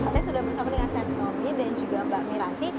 saya sudah bersama dengan chef tommy dan juga mbak miranti